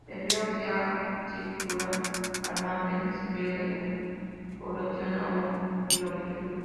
El río Cea circula al margen izquierdo de la población a un km.